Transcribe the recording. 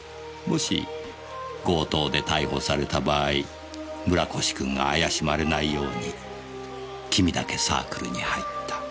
もし強盗で逮捕された場合村越君が怪しまれないように君だけサークルに入った。